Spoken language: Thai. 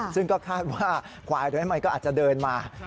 ซึ่งก็คาดว่าควายโดยไม่ก็อาจจะเดินมา